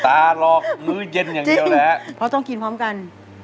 หลอกมื้อเย็นอย่างเดียวแหละเพราะต้องกินพร้อมกัน